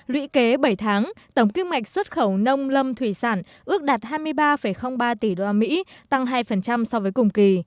lũy kế bảy tháng tổng kim ngạch xuất khẩu nông lâm thủy sản ước đạt hai mươi ba ba tỷ đô la mỹ tăng hai so với cùng kỳ